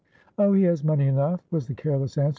"Oh, he has money enough," was the careless answer.